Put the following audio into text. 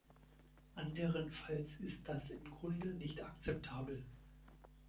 Anderenfalls ist das im Grunde nicht akzeptabel.